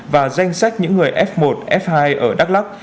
và danh sách những người f một f hai ở đắk lắc